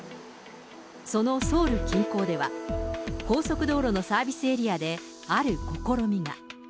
そのソウル近郊では、高速道路のサービスエリアで、ある試みが。